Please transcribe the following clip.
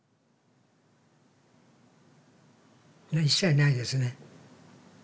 一切ないですね。